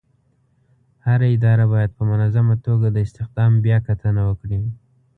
هره اداره باید په منظمه توګه د استخدام بیاکتنه وکړي.